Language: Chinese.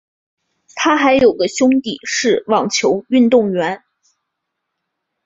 她还有个兄弟是网球运动员。